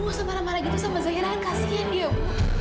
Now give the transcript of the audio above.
ibu semalam marah begitu sama zahira kasian ibu